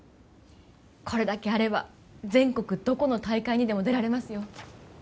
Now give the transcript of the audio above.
これだけあれば全国どこの大会にでも出られますよ